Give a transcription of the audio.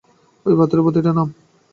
ঐ পাথরের প্রতিটা নাম!